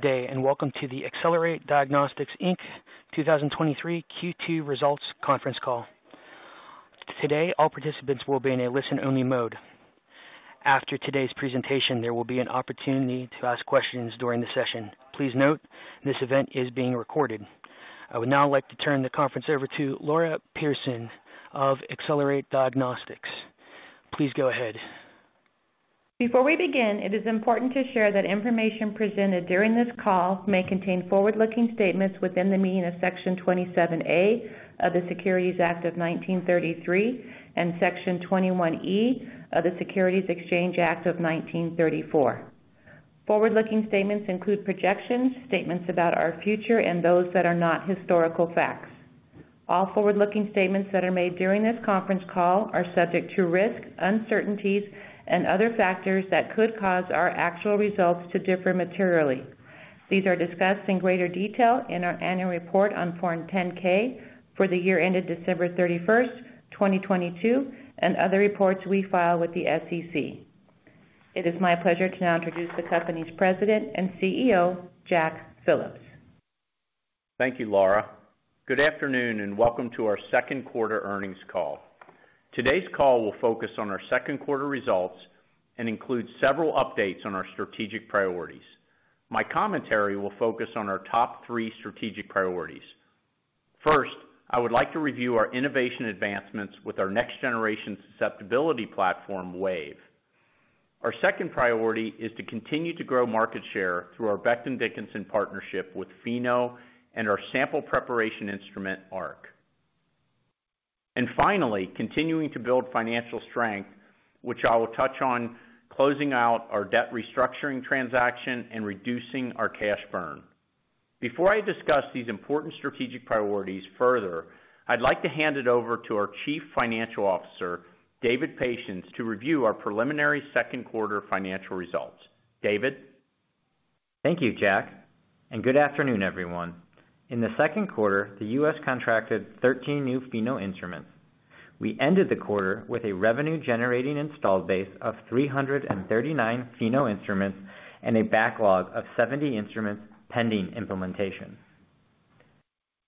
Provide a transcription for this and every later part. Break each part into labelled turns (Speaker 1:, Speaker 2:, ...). Speaker 1: day, welcome to the Accelerate Diagnostics Inc 2023 Q2 Results Conference Call. Today, all participants will be in a listen-only mode. After today's presentation, there will be an opportunity to ask questions during the session. Please note, this event is being recorded. I would now like to turn the conference over to Laura Pierson of Accelerate Diagnostics. Please go ahead.
Speaker 2: Before we begin, it is important to share that information presented during this call may contain forward-looking statements within the meaning of Section 27A of the Securities Act of 1933 and Section 21E of the Securities Exchange Act of 1934. Forward-looking statements include projections, statements about our future, and those that are not historical facts. All forward-looking statements that are made during this conference call are subject to risks, uncertainties, and other factors that could cause our actual results to differ materially. These are discussed in greater detail in our annual report on Form 10-K for the year ended December 31st, 2022, and other reports we file with the SEC. It is my pleasure to now introduce the company's President and CEO, Jack Phillips.
Speaker 3: Thank you, Laura. Good afternoon, and welcome to our second quarter earnings call. Today's call will focus on our second quarter results and include several updates on our strategic priorities. My commentary will focus on our three strategic priorities. First, I would like to review our innovation advancements with our next-generation susceptibility platform, Wave. Our second priority is to continue to grow market share through our Becton Dickinson partnership with Pheno and our sample preparation instrument, Arc. Finally, continuing to build financial strength, which I will touch on closing out our debt restructuring transaction and reducing our cash burn. Before I discuss these important strategic priorities further, I'd like to hand it over to our Chief Financial Officer, David Patience, to review our preliminary second quarter financial results. David?
Speaker 4: Thank you, Jack. Good afternoon, everyone. In the second quarter, the U.S. contracted 13 new Pheno instruments. We ended the quarter with a revenue-generating installed base of 339 Pheno instruments and a backlog of 70 instruments pending implementation.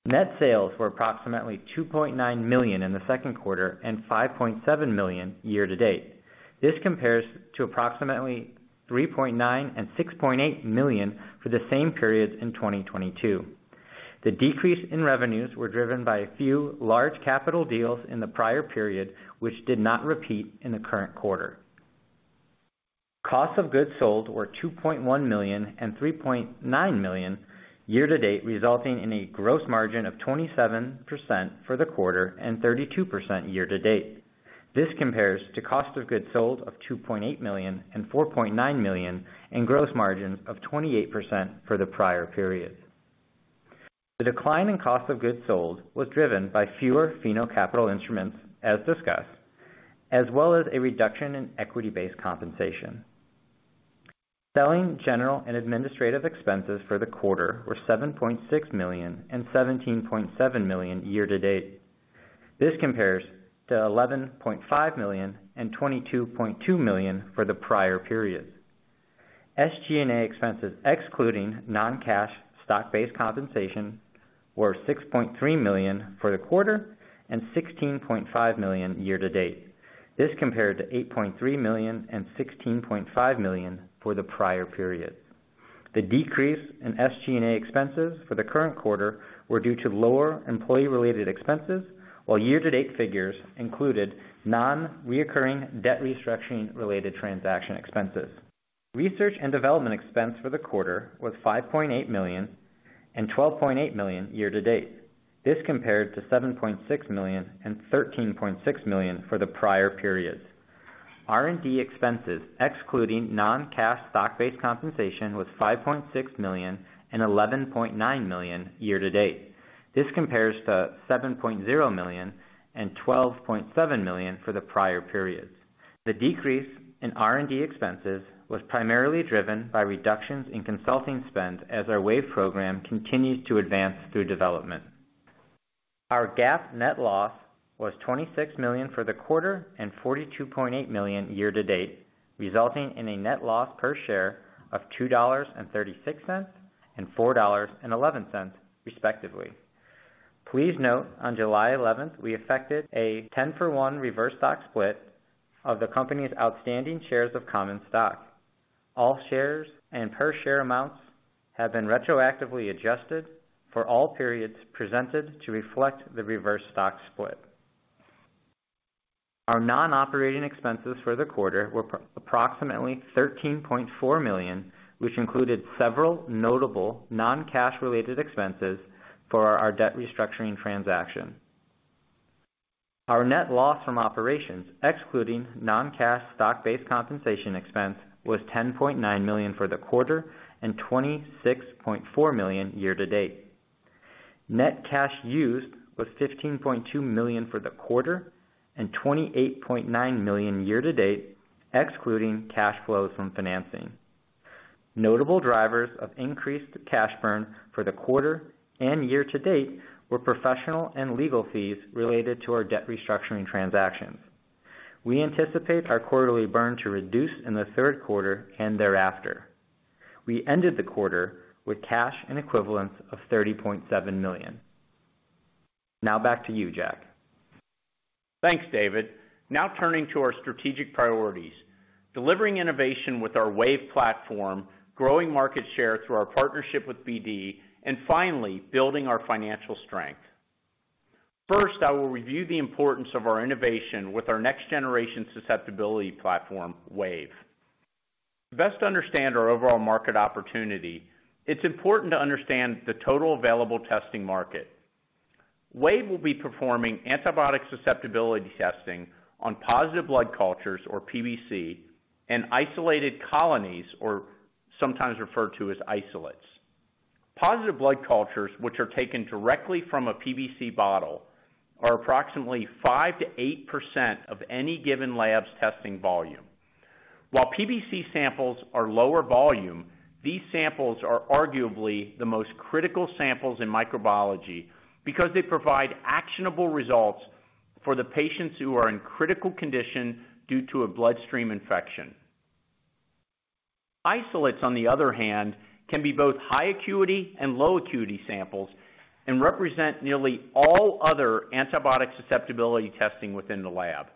Speaker 4: Net sales were approximately $2.9 million in the second quarter and $5.7 million year to date. This compares to approximately $3.9 and $6.8 million for the same period in 2022. The decrease in revenues were driven by a few large capital deals in the prior period, which did not repeat in the current quarter. Cost of goods sold were $2.1 million and $3.9 million year to date, resulting in a gross margin of 27% for the quarter and 32% year to date. This compares to cost of goods sold of $2.8 million and $4.9 million, and gross margins of 28% for the prior period. The decline in cost of goods sold was driven by fewer Pheno capital instruments, as discussed, as well as a reduction in equity-based compensation. Selling, general, and administrative expenses for the quarter were $7.6 million and $17.7 million year to date. This compares to $11.5 million and $22.2 million for the prior period. SG&A expenses, excluding non-cash stock-based compensation, were $6.3 million for the quarter and $16.5 million year to date. This compared to $8.3 million and $16.5 million for the prior period. The decrease in SG&A expenses for the current quarter were due to lower employee-related expenses, while year-to-date figures included non-recurring debt restructuring-related transaction expenses. Research and development expense for the quarter was $5.8 million and $12.8 million year to date. This compared to $7.6 million and $13.6 million for the prior periods. R&D expenses, excluding non-cash stock-based compensation, was $5.6 million and $11.9 million year to date. This compares to $7.0 million and $12.7 million for the prior periods. The decrease in R&D expenses was primarily driven by reductions in consulting spend as our Wave program continued to advance through development. Our GAAP net loss was $26 million for the quarter and $42.8 million year to date, resulting in a net loss per share of $2.36 and $4.11, respectively. Please note, on July 11, we effected a 10-for-1 reverse stock split of the company's outstanding shares of common stock. All shares and per share amounts have been retroactively adjusted for all periods presented to reflect the reverse stock split. Our non-operating expenses for the quarter were approximately $13.4 million, which included several notable non-cash related expenses for our debt restructuring transaction. Our net loss from operations, excluding non-cash stock-based compensation expense, was $10.9 million for the quarter and $26.4 million year to date. Net cash used was $15.2 million for the quarter and $28.9 million year to date, excluding cash flows from financing. Notable drivers of increased cash burn for the quarter and year to date were professional and legal fees related to our debt restructuring transactions. We anticipate our quarterly burn to reduce in the third quarter and thereafter. We ended the quarter with cash and equivalents of $30.7 million. Now back to you, Jack.
Speaker 3: Thanks, David. Now turning to our strategic priorities: delivering innovation with our Wave platform, growing market share through our partnership with BD, and finally, building our financial strength. First, I will review the importance of our innovation with our next-generation susceptibility platform, Wave. Best to understand our overall market opportunity, it's important to understand the total available testing market. Wave will be performing antibiotic susceptibility testing on positive blood cultures, or PBC, and isolated colonies, or sometimes referred to as isolates. Positive blood cultures, which are taken directly from a PBC bottle, are approximately 5%-8% of any given lab's testing volume. While PBC samples are lower volume, these samples are arguably the most critical samples in microbiology because they provide actionable results for the patients who are in critical condition due to a bloodstream infection. Isolates, on the other hand, can be both high acuity and low acuity samples, and represent nearly all other antibiotic susceptibility testing within the lab.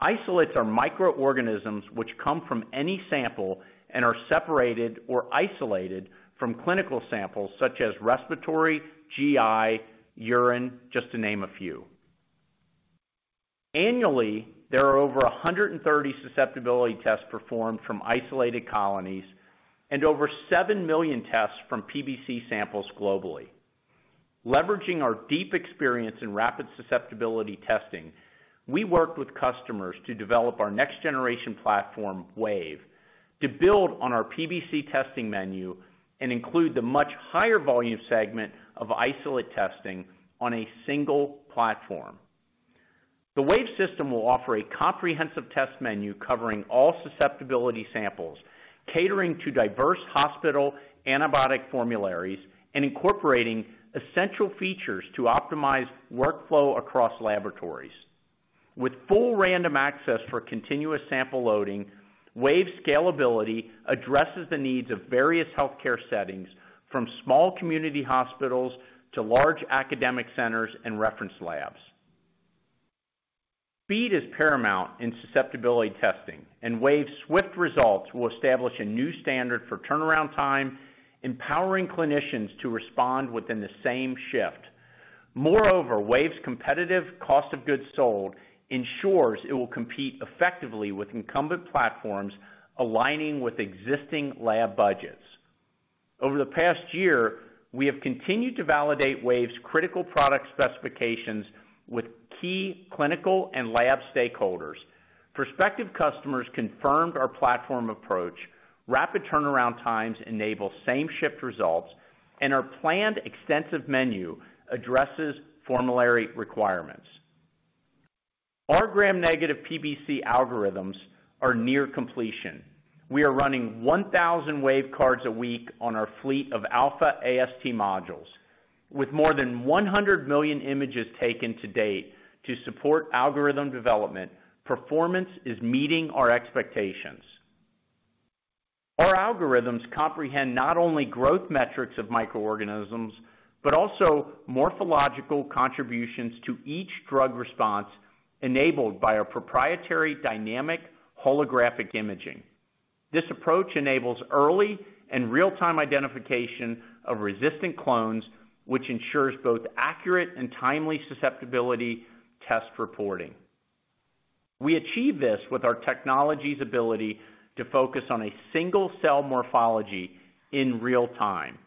Speaker 3: Isolates are microorganisms which come from any sample and are separated or isolated from clinical samples such as respiratory, GI, urine, just to name a few. Annually, there are over 130 susceptibility tests performed from isolated colonies and over 7 million tests from PBC samples globally. Leveraging our deep experience in rapid susceptibility testing, we worked with customers to develop our next generation platform, Wave, to build on our PBC testing menu and include the much higher volume segment of isolate testing on a single platform. The Wave system will offer a comprehensive test menu covering all susceptibility samples, catering to diverse hospital antibiotic formularies and incorporating essential features to optimize workflow across laboratories. With full random access for continuous sample loading, Wave scalability addresses the needs of various healthcare settings, from small community hospitals to large academic centers and reference labs. Speed is paramount in susceptibility testing, and Wave's swift results will establish a new standard for turnaround time, empowering clinicians to respond within the same shift. Moreover, Wave's competitive cost of goods sold ensures it will compete effectively with incumbent platforms, aligning with existing lab budgets. Over the past year, we have continued to validate Wave's critical product specifications with key clinical and lab stakeholders. Prospective customers confirmed our platform approach, rapid turnaround times enable same-shift results, and our planned extensive menu addresses formulary requirements. Our gram-negative PBC algorithms are near completion. We are running 1,000 Wave cards a week on our fleet of Alpha AST modules, with more than 100 million images taken to date to support algorithm development. Performance is meeting our expectations. Our algorithms comprehend not only growth metrics of microorganisms, but also morphological contributions to each drug response, enabled by our proprietary dynamic holographic imaging. This approach enables early and real-time identification of resistant clones, which ensures both accurate and timely susceptibility test reporting. We achieve this with our technology's ability to focus on a single cell morphology in real time.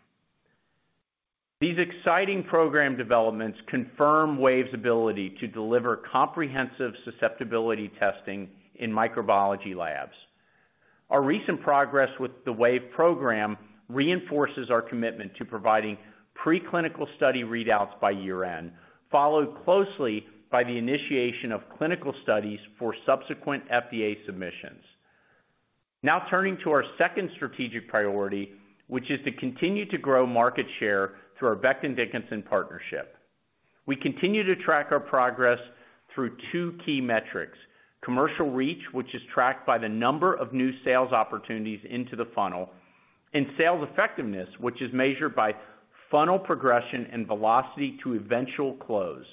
Speaker 3: These exciting program developments confirm Wave's ability to deliver comprehensive susceptibility testing in microbiology labs. Our recent progress with the Wave program reinforces our commitment to providing preclinical study readouts by year-end, followed closely by the initiation of clinical studies for subsequent FDA submissions. Turning to our second strategic priority, which is to continue to grow market share through our Becton Dickinson partnership. We continue to track our progress through two key metrics: commercial reach, which is tracked by the number of new sales opportunities into the funnel, and sales effectiveness, which is measured by funnel progression and velocity to eventual close.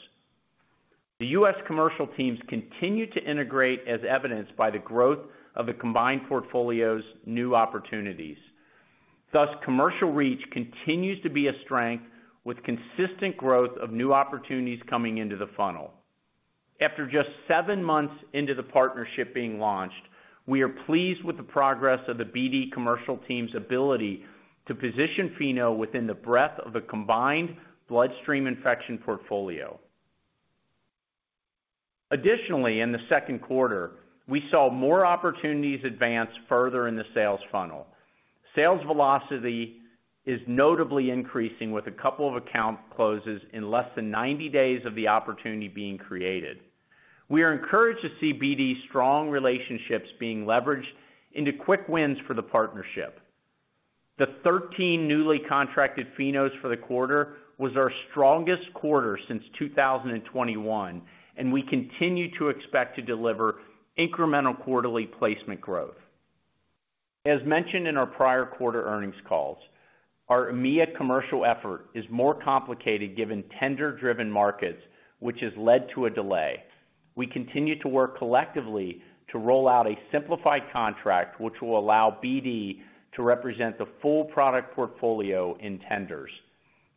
Speaker 3: The U.S. commercial teams continue to integrate, as evidenced by the growth of the combined portfolio's new opportunities. Thus, commercial reach continues to be a strength, with consistent growth of new opportunities coming into the funnel. After just seven months into the partnership being launched, we are pleased with the progress of the BD commercial team's ability to position Pheno within the breadth of a combined bloodstream infection portfolio. Additionally, in the second quarter, we saw more opportunities advance further in the sales funnel. Sales velocity is notably increasing, with a couple of account closes in less than 90 days of the opportunity being created. We are encouraged to see BD's strong relationships being leveraged into quick wins for the partnership. The 13 newly contracted Phenos for the quarter was our strongest quarter since 2021, we continue to expect to deliver incremental quarterly placement growth. As mentioned in our prior quarter earnings calls, our EMEA commercial effort is more complicated given tender-driven markets, which has led to a delay. We continue to work collectively to roll out a simplified contract, which will allow BD to represent the full product portfolio in tenders.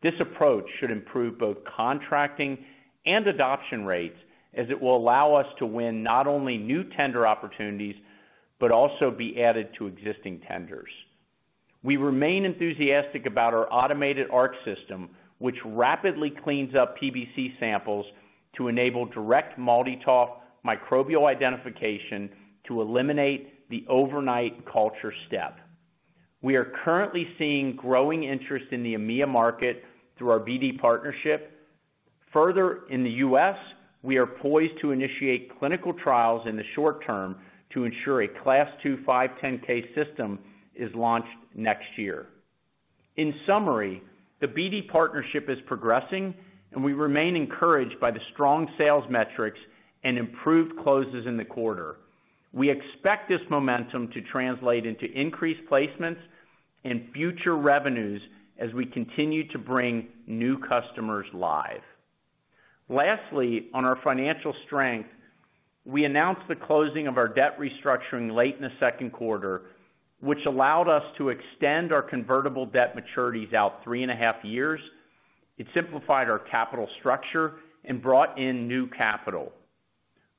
Speaker 3: This approach should improve both contracting and adoption rates, as it will allow us to win not only new tender opportunities, but also be added to existing tenders. We remain enthusiastic about our automated Arc system, which rapidly cleans up PBC samples to enable direct MALDI-TOF microbial identification to eliminate the overnight culture step. We are currently seeing growing interest in the EMEA market through our BD partnership. In the US, we are poised to initiate clinical trials in the short term to ensure a Class II, 510(k) system is launched next year. In summary, the BD partnership is progressing, and we remain encouraged by the strong sales metrics and improved closes in the quarter. We expect this momentum to translate into increased placements and future revenues as we continue to bring new customers live. Lastly, on our financial strength, we announced the closing of our debt restructuring late in the second quarter, which allowed us to extend our convertible debt maturities out 3.5 years. It simplified our capital structure and brought in new capital.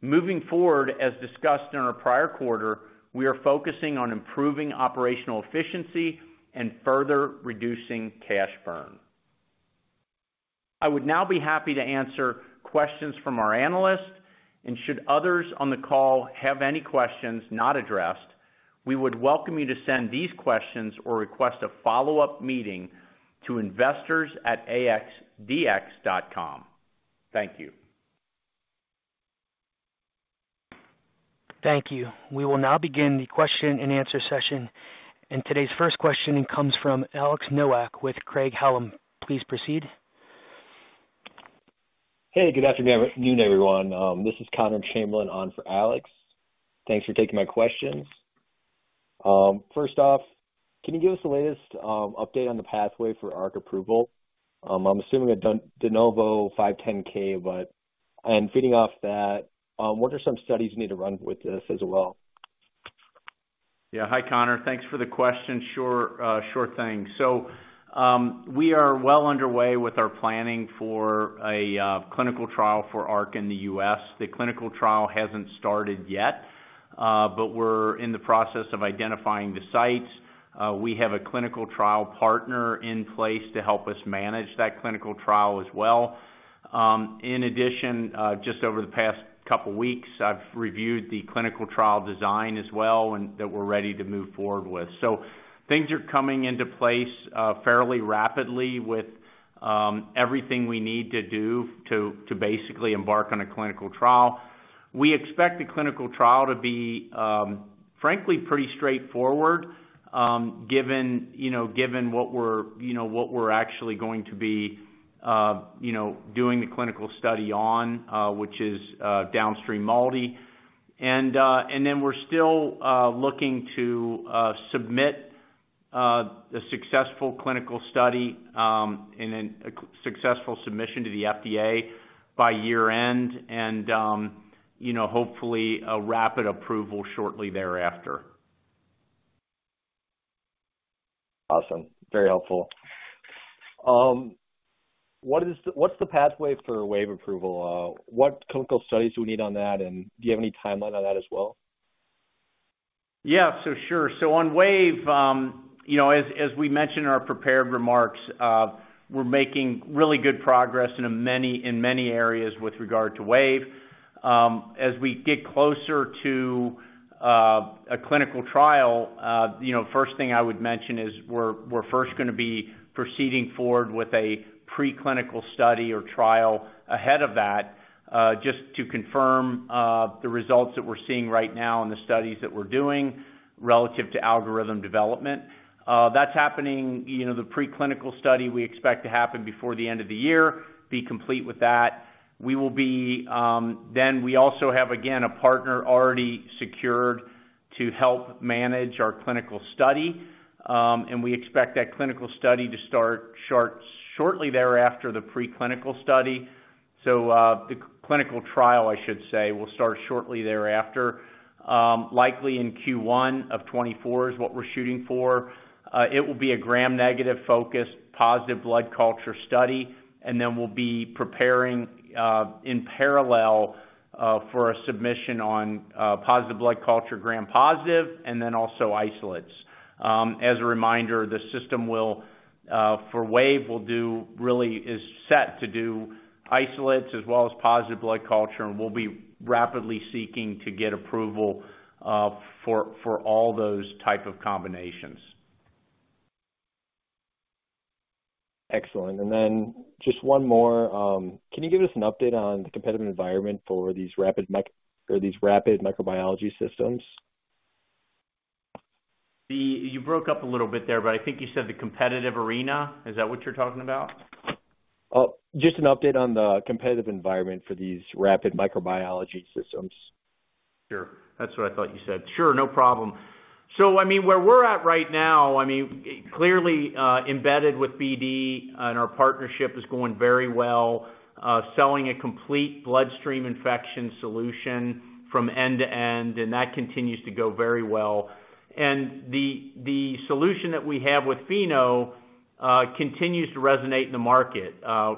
Speaker 3: As discussed in our prior quarter, we are focusing on improving operational efficiency and further reducing cash burn. I would now be happy to answer questions from our analysts, and should others on the call have any questions not addressed, we would welcome you to send these questions or request a follow-up meeting to investors at axdx.com. Thank you.
Speaker 1: Thank you. We will now begin the question and answer session. Today's first question comes from Alex Nowak with Craig-Hallum. Please proceed.
Speaker 5: Hey, good afternoon, everyone. This is Conner Chamberlain on for Alex. Thanks for taking my questions. First off, can you give us the latest update on the pathway for ARC approval? I'm assuming a De Novo 510(k), but... Feeding off that, what are some studies you need to run with this as well?
Speaker 3: Yeah. Hi, Conner. Thanks for the question. Sure, sure thing. We are well underway with our planning for a clinical trial for ARC in the U.S.. The clinical trial hasn't started yet, but we're in the process of identifying the sites. We have a clinical trial partner in place to help us manage that clinical trial as well. In addition, just over the past couple weeks, I've reviewed the clinical trial design as well, and that we're ready to move forward with. Things are coming into place fairly rapidly with everything we need to do to basically embark on a clinical trial. We expect the clinical trial to be, frankly, pretty straightforward, given, you know, given what we're, you know, what we're actually going to be, you know, doing the clinical study on, which is downstream MALDI. We're still looking to submit a successful clinical study, and then a successful submission to the FDA by year-end and, you know, hopefully a rapid approval shortly thereafter.
Speaker 5: Awesome. Very helpful. What's the pathway for Wave approval? What clinical studies do we need on that, and do you have any timeline on that as well?
Speaker 3: Yeah, sure. On Wave, you know, as, as we mentioned in our prepared remarks, we're making really good progress in many in many areas with regard to Wave. As we get closer to a clinical trial, you know, first thing I would mention is we're, we're first gonna be proceeding forward with a preclinical study or trial ahead of that, just to confirm the results that we're seeing right now in the studies that we're doing relative to algorithm development. That's happening, you know, the preclinical study, we expect to happen before the end of the year, be complete with that. We will be. We also have, again, a partner already secured to help manage our clinical study. We expect that clinical study to start shortly thereafter, the preclinical study. The clinical trial, I should say, will start shortly thereafter, likely in Q1 of 2024 is what we're shooting for. It will be a gram-negative focus, positive blood culture study, and then we'll be preparing in parallel for a submission on positive blood culture, gram-positive, and then also isolates. As a reminder, the system will, for Wave, will do really, is set to do isolates as well as positive blood culture, and we'll be rapidly seeking to get approval for, for all those type of combinations. ...
Speaker 5: Excellent. Then just one more, can you give us an update on the competitive environment for these rapid or these rapid microbiology systems?
Speaker 3: You broke up a little bit there, but I think you said the competitive arena. Is that what you're talking about?
Speaker 5: Just an update on the competitive environment for these rapid microbiology systems.
Speaker 3: Sure. That's what I thought you said. Sure, no problem. I mean, where we're at right now, I mean, clearly, embedded with BD, and our partnership is going very well, selling a complete bloodstream infection solution from end-to-end, and that continues to go very well. The, the solution that we have with Pheno continues to resonate in the market,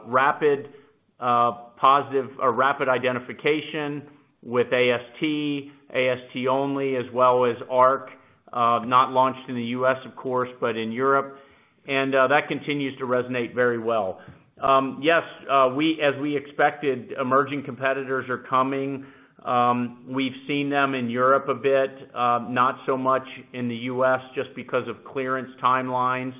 Speaker 3: rapid, positive or rapid identification with AST, AST only, as well as ARC, not launched in the US, of course, but in Europe. That continues to resonate very well. Yes, as we expected, emerging competitors are coming. We've seen them in Europe a bit, not so much in the US, just because of clearance timelines.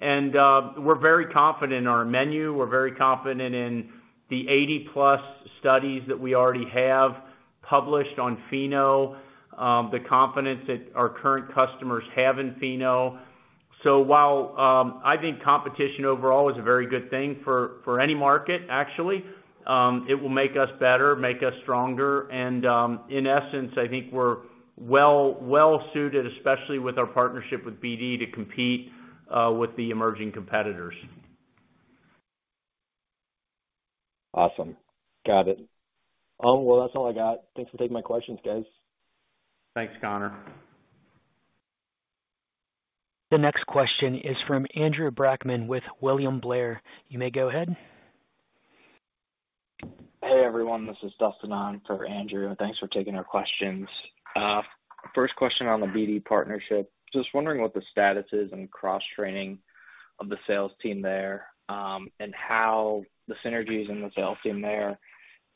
Speaker 3: We're very confident in our menu. We're very confident in the 80-plus studies that we already have published on Pheno, the confidence that our current customers have in Pheno. While, I think competition overall is a very good thing for, for any market, actually, it will make us better, make us stronger, and, in essence, I think we're well, well suited, especially with our partnership with BD, to compete with the emerging competitors.
Speaker 5: Awesome. Got it. Oh, well, that's all I got. Thanks for taking my questions, guys.
Speaker 3: Thanks, Conner.
Speaker 1: The next question is from Andrew Brackmann, with William Blair. You may go ahead.
Speaker 6: Hey, everyone, this is Dustin on for Andrew. Thanks for taking our questions. First question on the BD partnership. Just wondering what the status is in cross-training of the sales team there, and how the synergies in the sales team there is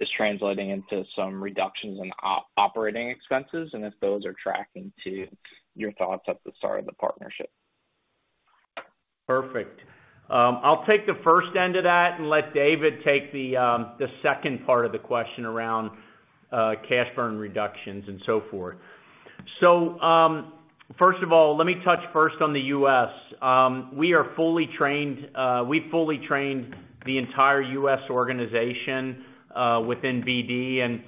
Speaker 6: translating into some reductions in operating expenses, and if those are tracking to your thoughts at the start of the partnership?
Speaker 3: Perfect. I'll take the first end of that and let David take the second part of the question around cash burn reductions and so forth. First of all, let me touch first on the US. We are fully trained, we fully trained the entire U.S. organization within BD.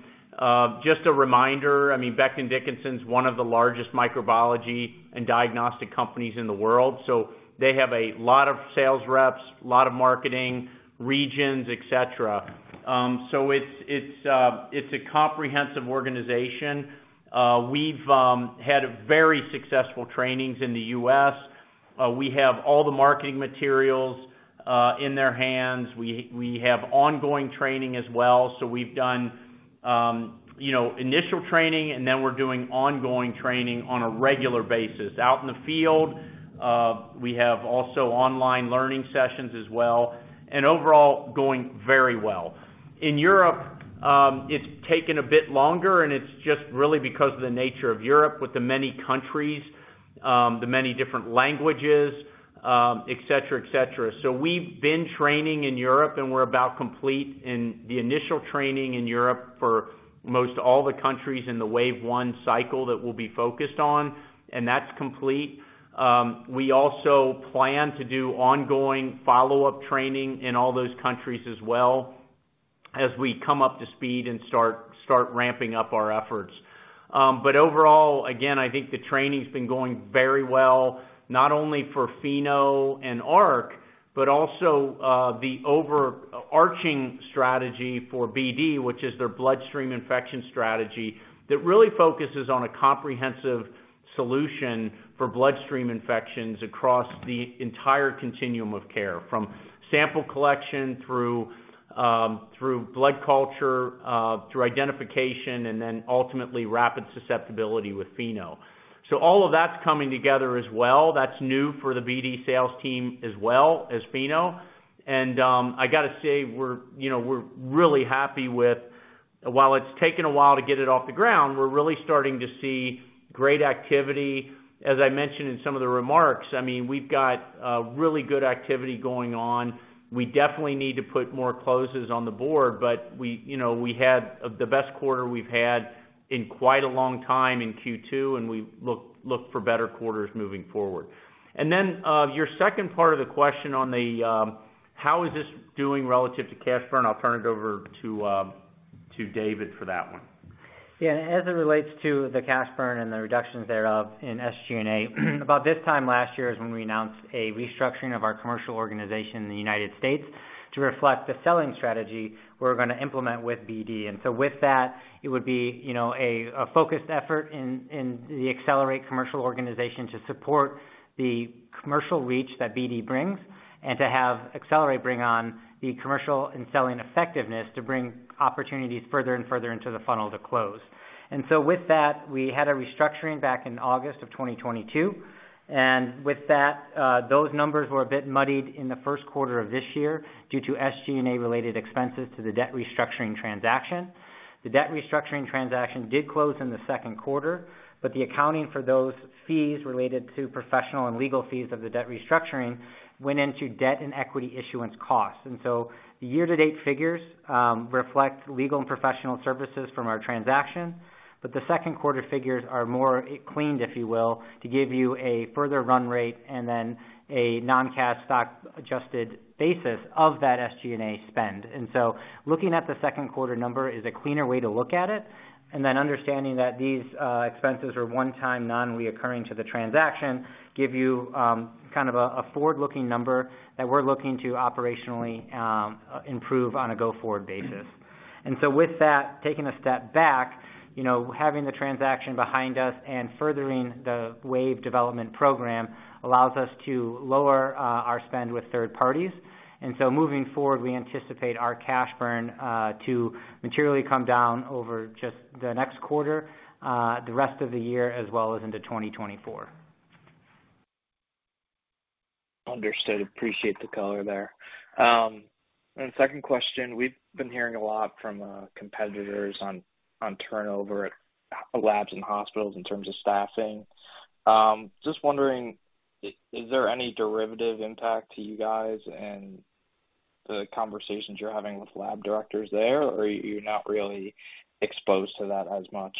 Speaker 3: Just a reminder, I mean, Becton Dickinson is one of the largest microbiology and diagnostic companies in the world, so they have a lot of sales reps, a lot of marketing, regions, et cetera. It's, it's, it's a comprehensive organization. We've had very successful trainings in the US. We have all the marketing materials in their hands. We, we have ongoing training as well. We've done, you know, initial training, and then we're doing ongoing training on a regular basis out in the field. We have also online learning sessions as well, and overall going very well. In Europe, it's taken a bit longer, and it's just really because of the nature of Europe with the many countries, the many different languages, et cetera, et cetera. We've been training in Europe, and we're about complete in the initial training in Europe for most all the countries in the Wave one cycle that we'll be focused on, and that's complete. We also plan to do ongoing follow-up training in all those countries as well, as we come up to speed and start, start ramping up our efforts. But overall, again, I think the training's been going very well, not only for Pheno and ARC, but also the overarching strategy for BD, which is their bloodstream infection strategy that really focuses on a comprehensive solution for bloodstream infections across the entire continuum of care, from sample collection through blood culture, through identification, and then ultimately, rapid susceptibility with Pheno. All of that's coming together as well. That's new for the BD sales team, as well as Pheno. I got to say, we're, you know, we're really happy with... While it's taken a while to get it off the ground, we're really starting to see great activity. As I mentioned in some of the remarks, I mean, we've got really good activity going on. We definitely need to put more closes on the board, but we, you know, we had the best quarter we've had in quite a long time in Q2. We look, look for better quarters moving forward. Your second part of the question on the how is this doing relative to cash burn? I'll turn it over to David for that one.
Speaker 4: Yeah, as it relates to the cash burn and the reductions thereof in SG&A, about this time last year is when we announced a restructuring of our commercial organization in the United States to reflect the selling strategy we're gonna implement with BD. So with that, it would be, you know, a, a focused effort in, in the Accelerate commercial organization to support the commercial reach that BD brings, and to have Accelerate bring on the commercial and selling effectiveness to bring opportunities further and further into the funnel to close. So with that, those numbers were a bit muddied in the first quarter of this year due to SG&A-related expenses to the debt restructuring transaction. The debt restructuring transaction did close in the second quarter, but the accounting for those fees related to professional and legal fees of the debt restructuring went into debt and equity issuance costs. The year-to-date figures reflect legal and professional services from our transaction, but the second quarter figures are more cleaned, if you will, to give you a further run rate and then a non-cash stock-adjusted basis of that SG&A spend. Looking at the second quarter number is a cleaner way to look at it, and then understanding that these expenses are one-time, non-reoccurring to the transaction, give you kind of a forward-looking number that we're looking to operationally improve on a go-forward basis. With that, taking a step back, you know, having the transaction behind us and furthering the Wave development program allows us to lower our spend with third parties. Moving forward, we anticipate our cash burn to materially come down over just the next quarter, the rest of the year, as well as into 2024.
Speaker 6: Understood. Appreciate the color there. Second question, we've been hearing a lot from competitors on, on turnover at labs and hospitals in terms of staffing. Just wondering, is there any derivative impact to you guys and the conversations you're having with lab directors there, or you're not really exposed to that as much?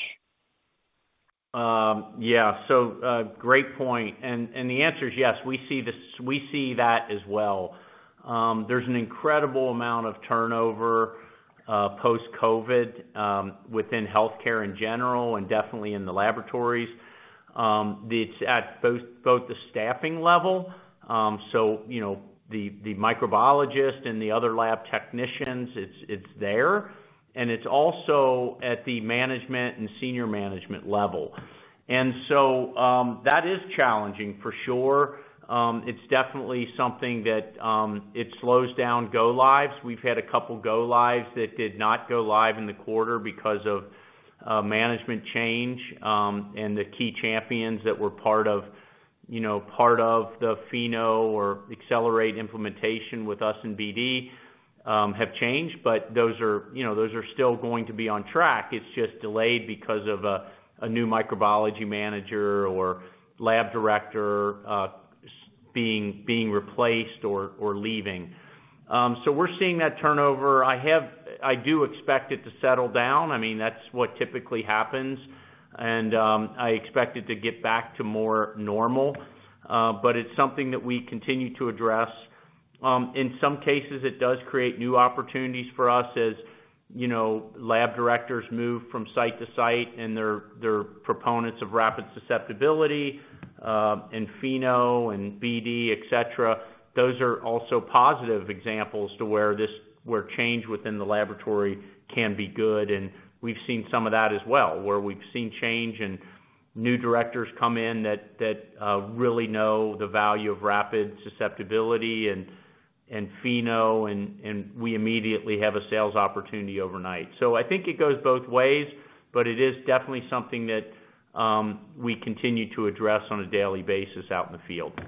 Speaker 3: Yeah, great point, and the answer is yes, we see this-- we see that as well. There's an incredible amount of turnover, post-COVID, within healthcare in general, and definitely in the laboratories. It's at both, both the staffing level, so, you know, the, the microbiologist and the other lab technicians, it's, it's there, and it's also at the management and senior management level. That is challenging for sure. It's definitely something that, it slows down go lives. We've had two go lives that did not go live in the quarter because of management change, and the key champions that were part of, you know, part of the Pheno or Accelerate implementation with us and BD, have changed, those are, you know, those are still going to be on track. It's just delayed because of a, a new microbiology manager or lab director, being, being replaced or, or leaving. We're seeing that turnover. I do expect it to settle down. I mean, that's what typically happens, and I expect it to get back to more normal. It's something that we continue to address. In some cases, it does create new opportunities for us as, you know, lab directors move from site to site, and they're, they're proponents of rapid susceptibility, and Pheno and BD, et cetera. Those are also positive examples to where this, where change within the laboratory can be good, and we've seen some of that as well, where we've seen change and new directors come in that, that really know the value of rapid susceptibility and, and Pheno, and, and we immediately have a sales opportunity overnight. I think it goes both ways, but it is definitely something that we continue to address on a daily basis out in the field.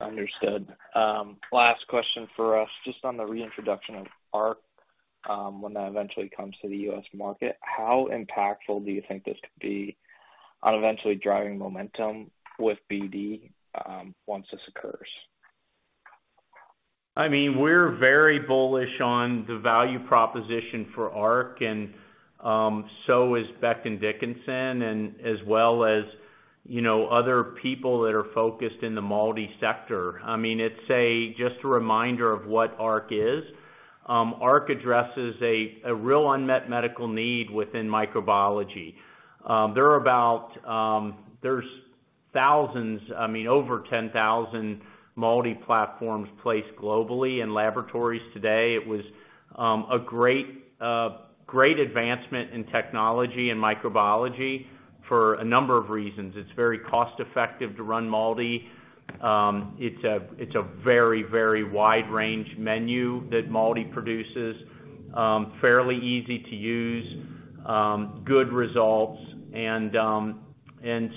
Speaker 6: Understood. Last question for us, just on the reintroduction of ARC, when that eventually comes to the U.S. market, how impactful do you think this could be on eventually driving momentum with BD, once this occurs?
Speaker 3: I mean, we're very bullish on the value proposition for ARC. So is Becton Dickinson, as well as, you know, other people that are focused in the MALDI sector. I mean, it's a. Just a reminder of what ARC is, ARC addresses a real unmet medical need within microbiology. There are about, there's thousands, I mean, over 10,000 MALDI platforms placed globally in laboratories today. It was a great, great advancement in technology and microbiology for a number of reasons. It's very cost-effective to run MALDI. It's a, it's a very, very wide range menu that MALDI produces, fairly easy to use, good results.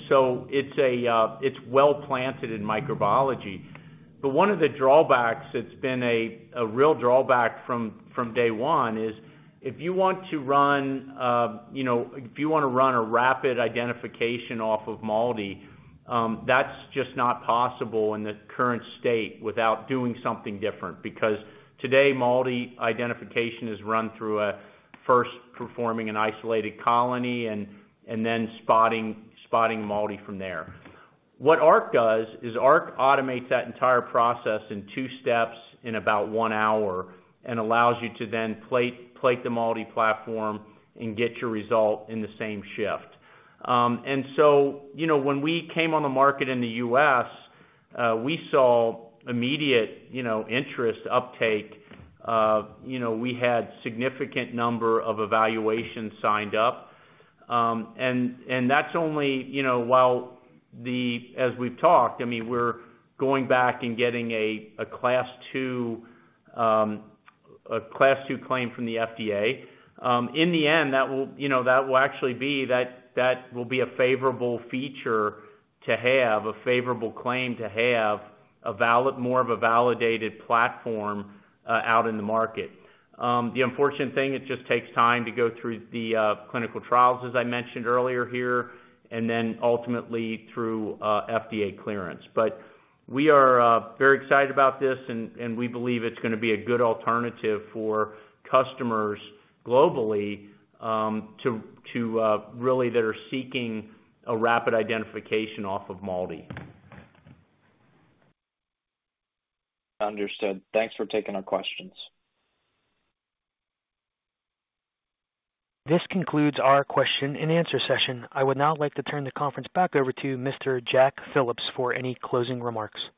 Speaker 3: So it's a, it's well-planted in microbiology. One of the drawbacks, it's been a, a real drawback from, from day one, is if you want to run, you know, if you want to run a rapid identification off of MALDI, that's just not possible in the current state without doing something different, because today, MALDI identification is run through a first performing an isolated colony and, and then spotting, spotting MALDI from there. What ARC does is ARC automates that entire process in two steps in about one hour, and allows you to then plate, plate the MALDI platform and get your result in the same shift. You know, when we came on the market in the US, we saw immediate, you know, interest uptake. You know, we had significant number of evaluations signed up, and, and that's only, you know, while the-- as we've talked, I mean, we're going back and getting a, a Class II, a Class II claim from the FDA. In the end, that will, you know, that will actually be that, that will be a favorable feature to have, a favorable claim to have a valid-- more of a validated platform, out in the market. The unfortunate thing, it just takes time to go through the clinical trials, as I mentioned earlier here, and then ultimately through FDA clearance. We are very excited about this, and, and we believe it's gonna be a good alternative for customers globally, to, to, really that are seeking a rapid identification off of MALDI.
Speaker 6: Understood. Thanks for taking our questions.
Speaker 1: This concludes our question-and-answer session. I would now like to turn the conference back over to Mr. Jack Phillips for any closing remarks.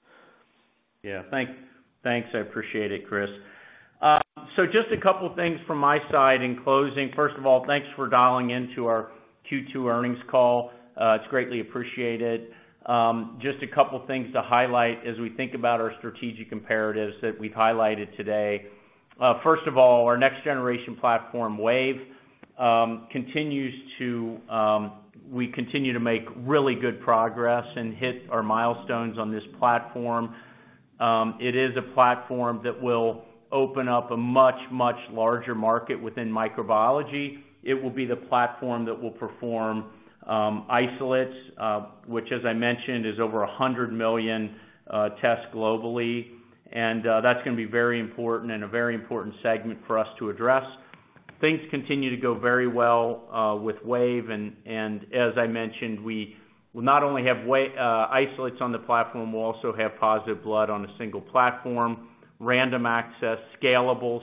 Speaker 3: Yeah, thank, thanks. I appreciate it, Chris. Just a couple of things from my side in closing. First of all, thanks for dialing into our Q2 earnings call. It's greatly appreciated. Just a couple of things to highlight as we think about our strategic imperatives that we've highlighted today. First of all, our next generation platform, Wave, continues to-- we continue to make really good progress and hit our milestones on this platform. It is a platform that will open up a much, much larger market within microbiology. It will be the platform that will perform isolates, which, as I mentioned, is over 100 million tests globally. That's gonna be very important and a very important segment for us to address. Things continue to go very well with Wave, and as I mentioned, we will not only have Wave isolates on the platform, we'll also have positive blood on a single platform, random access, scalable.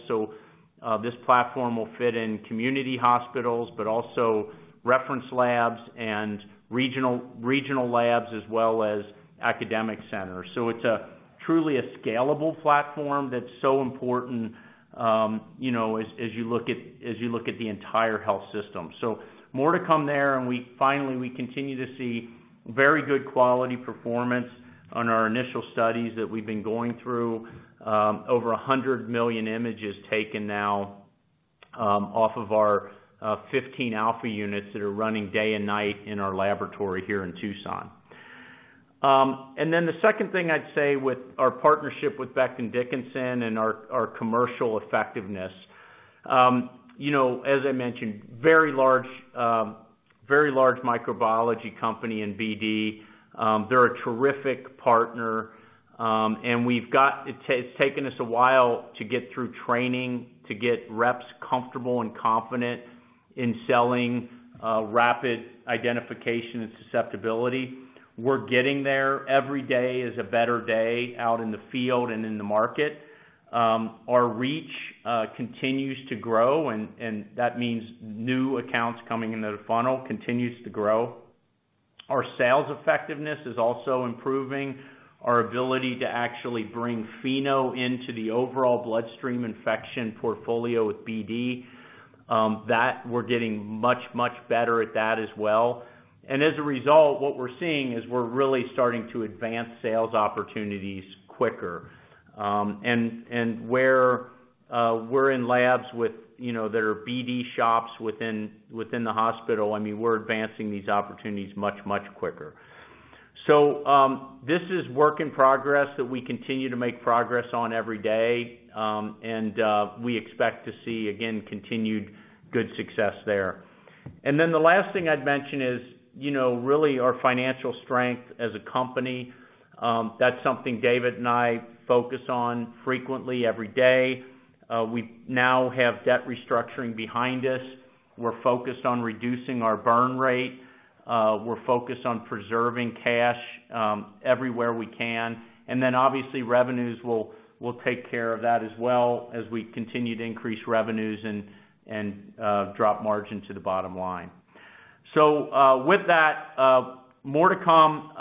Speaker 3: This platform will fit in community hospitals, but also reference labs and regional, regional labs as well as academic centers. It's a truly a scalable platform that's so important, you know, as you look at, as you look at the entire health system. More to come there. Finally, we continue to see very good quality performance on our initial studies that we've been going through. Over 100 million images taken now off of our 15 alpha units that are running day and night in our laboratory here in Tucson. The second thing I'd say with our partnership with Becton Dickinson and our, our commercial effectiveness. You know, as I mentioned, very large, very large microbiology company in BD. They're a terrific partner, and it's taken, taken us a while to get through training, to get reps comfortable and confident in selling rapid identification and susceptibility. We're getting there. Every day is a better day out in the field and in the market. Our reach continues to grow, and that means new accounts coming into the funnel continues to grow. Our sales effectiveness is also improving. Our ability to actually bring Pheno into the overall bloodstream infection portfolio with BD, that we're getting much, much better at that as well. As a result, what we're seeing is we're really starting to advance sales opportunities quicker. Where, we're in labs with, you know, that are BD shops within, within the hospital, I mean, we're advancing these opportunities much, much quicker. This is work in progress that we continue to make progress on every day, and we expect to see, again, continued good success there. The last thing I'd mention is, you know, really our financial strength as a company. That's something David and I focus on frequently every day. We now have debt restructuring behind us. We're focused on reducing our burn rate. We're focused on preserving cash, everywhere we can, and then obviously, revenues will, will take care of that as well as we continue to increase revenues and, and, drop margin to the bottom line. With that, more to come,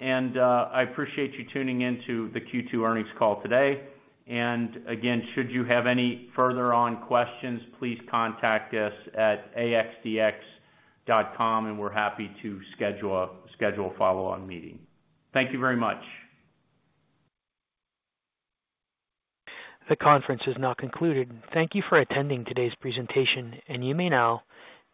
Speaker 3: and I appreciate you tuning into the Q2 earnings call today. Again, should you have any further questions, please contact us at axdx.com, and we're happy to schedule a follow-on meeting. Thank you very much.
Speaker 1: The conference is now concluded. Thank you for attending today's presentation, and you may now disconnect.